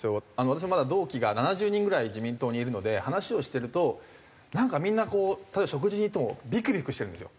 私もまだ同期が７０人ぐらい自民党にいるので話をしてるとなんかみんなこう例えば食事に行ってもビクビクしてるんですよ。